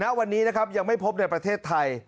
ณวันนี้นะครับยังไม่พบในประเทศไทย